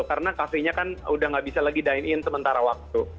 karena kafinya kan udah nggak bisa lagi dine in sementara waktu